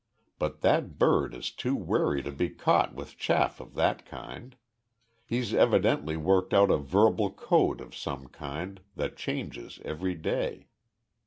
But that bird is too wary to be caught with chaff of that kind. He's evidently worked out a verbal code of some kind that changes every day.